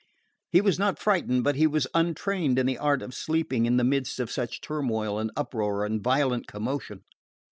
He was not frightened, but he was untrained in the art of sleeping in the midst of such turmoil and uproar and violent commotion.